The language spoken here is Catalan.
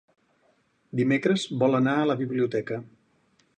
Dimecres vol anar a la biblioteca.